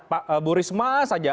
pak bu risma saja